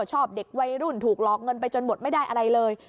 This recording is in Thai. ชอบเด็กวัยรุ่นถูกหลอกเงินไปจนหมดไม่ได้อะไรเลย